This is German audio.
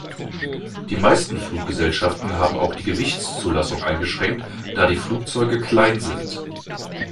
Die meisten Fluggesellschaften haben auch die Gewichtszulassung eingeschränkt, da die Flugzeuge klein sind.